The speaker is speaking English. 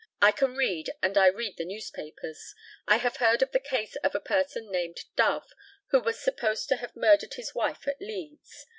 I can read, and I read the newspapers. I have heard of the case of a person named Dove, who was supposed to have murdered his wife at Leeds.